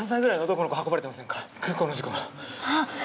空港の事故の。